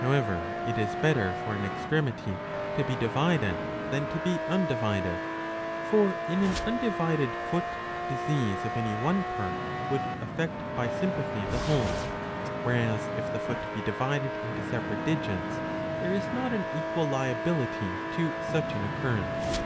How ever it is better for an extremity to be divided than to be un divided. For in an undivided foot disease of any one part would affect by sympathy the whole ; whereas, if the foot be divided into separate digits, there is not an equal liability to such an occurrence.